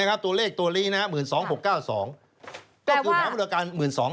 ก็คือแผนบูรณาการ๑๒๖๙๒